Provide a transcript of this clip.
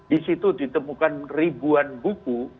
disitu ditemukan ribuan buku